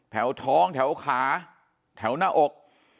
แถวท้องแถวขาแถวหน้าอก